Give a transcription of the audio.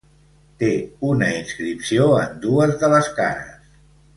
Té una inscripció en dues de les cares.